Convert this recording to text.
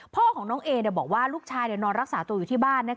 พ่อของน้องเอบอกว่าลูกชายนอนรักษาตัวอยู่ที่บ้าน